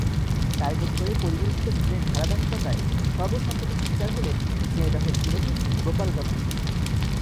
Target করে পরিকল্পিত খুনের ধারাবাহিকতায় সর্বসাম্প্রতিক শিকার হলেন ঝিনাইদহের পুরোহিত গোপাল গাঙ্গুলী।